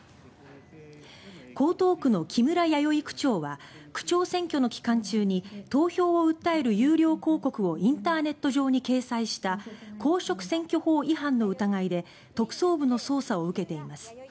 江東区の木村弥生区長は区長選挙の期間中に投票を訴える有料広告をインターネット上に掲載した公職選挙法違反の疑いで特捜部の捜査を受けています。